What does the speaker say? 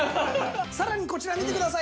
さらにこちら見てください。